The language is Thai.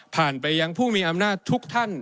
ไปยังผู้มีอำนาจทุกท่าน